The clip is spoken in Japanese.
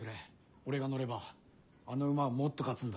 俺が乗ればあの馬はもっと勝つんだ。